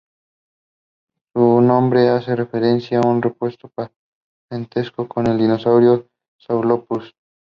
Su nombre hace referencia a un supuesto parentesco con el dinosaurio "Saurolophus".